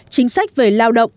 chính sách về lao động